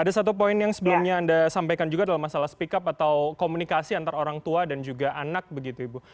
ada satu poin yang sebelumnya anda sampaikan juga adalah masalah speak up atau komunikasi antara orang tua dan juga anak begitu ibu